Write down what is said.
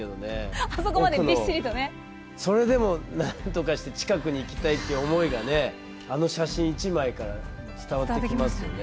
それでもなんとかして近くに行きたいっていう思いがねあの写真１枚から伝わってきますよね。